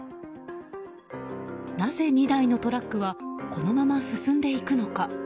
なぜ、２台のトラックはこのまま進んでいくのか。